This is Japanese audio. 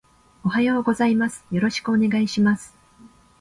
おはようございます。よろしくお願いします